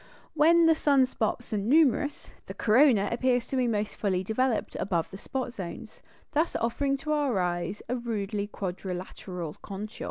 When sun spots are numerous, the corona appears to be most fully developed above the spot zones, thus offering to our eyes a rudely quadrilateral contour.